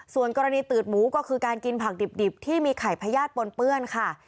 ส่วนกรณีตืดหมูก็คือการกินผักดิบที่มีไข่พญาติปนเปื้อนค่ะ